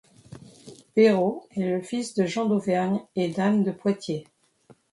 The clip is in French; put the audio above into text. Béraud est le fils de Jean, d'Auvergne et d'Anne de Poitiers.